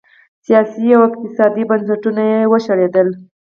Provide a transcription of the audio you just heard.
سیاسي او اقتصادي بنسټونه یې وشړېدل.